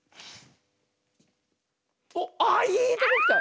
おっああいいとこきた！